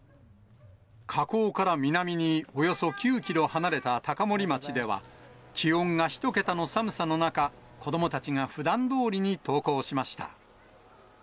火口から南におよそ９キロ離れた高森町では、気温が１桁の寒さの中、子どもたちがふだんどおりに登校しました。